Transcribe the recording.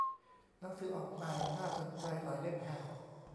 หนังสือออกใหม่น่าสนใจหลายเล่มแฮะ